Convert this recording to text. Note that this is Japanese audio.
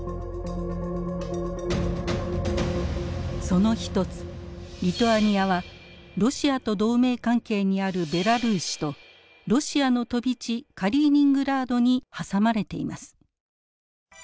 その一つリトアニアはロシアと同盟関係にあるベラルーシとロシアの飛び地カリーニングラードに挟まれています。